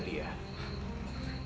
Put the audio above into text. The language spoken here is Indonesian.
dia garong yang kejam